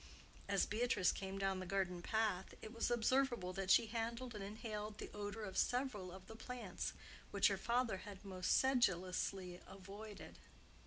As Beatrice came down the garden path, it was observable that she handled and inhaled the odor of several of the plants which her father had most sedulously avoided.